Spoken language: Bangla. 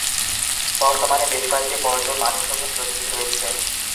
বর্তমানে বেশ কয়েকটি বর্জ্য পানি শোধন প্রযুক্তি রয়েছে।